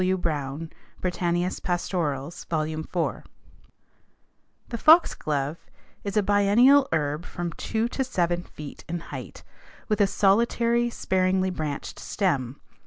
W. Browne, Britannias Pastorals, II. 4. The fox glove is a biennial herb from two to seven feet in height with a solitary, sparingly branched stem.